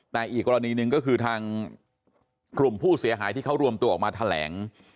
แต่อีกกรณีหนึ่งก็คือทางกลุ่มผู้เสียหายที่เขารวมตัวออกมาแถลง